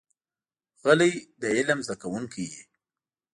غلی، د علم زده کوونکی وي.